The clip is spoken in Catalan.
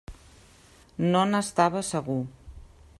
No n'estava segur.